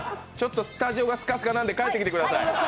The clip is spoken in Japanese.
スタジオがスカスカなんで帰ってきてください。